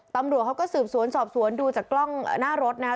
ตำรวจเขาก็สืบสวนสอบสวนดูจากกล้องหน้ารถนะครับ